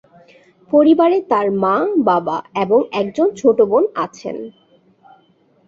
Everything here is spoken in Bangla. পরিবারে তাঁর মা, বাবা এবং একজন ছোট বোন আছেন।